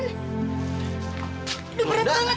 aduh berat banget